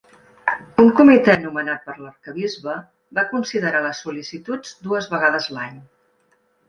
Un comitè nomenat per l'arquebisbe va considerar les sol·licituds dues vegades l'any.